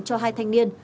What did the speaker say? cho hai thanh niên